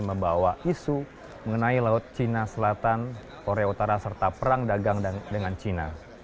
membawa isu mengenai laut cina selatan korea utara serta perang dagang dengan cina